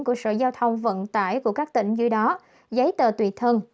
của sở giao thông vận tải của các tỉnh dưới đó giấy tờ tùy thân